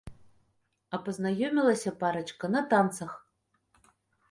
А пазнаёмілася парачка на танцах.